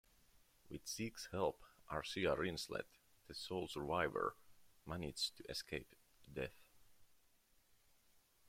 With Sieg's help, Arcia Rinslet, the sole survivor, manages to escape death.